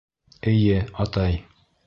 — Эйе, атай...